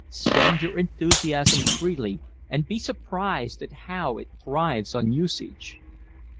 Spend your enthusiasm freely and be surprised at how it thrives on usage.